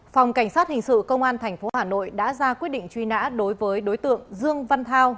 phòng cảnh sát hình sự công an tp hà nội đã ra quyết định truy nã đối với đối tượng dương văn thao